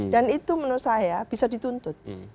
dan itu menurut saya bisa dituntut